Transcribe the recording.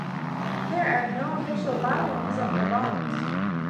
There are no official bottlings of the malt.